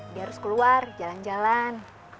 dia harus keluar jalan jalan